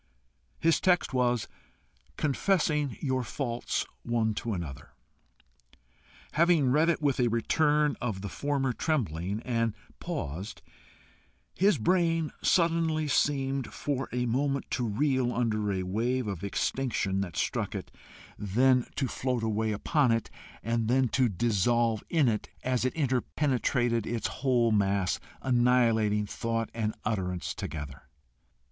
His text was "Confessing your faults one to another." Having read it with a return of the former trembling, and paused, his brain suddenly seemed for a moment to reel under a wave of extinction that struck it, then to float away upon it, and then to dissolve in it, as it interpenetrated its whole mass, annihilating thought and utterance together.